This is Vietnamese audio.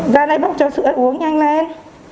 ra đây bác cho sữa uống nhanh lên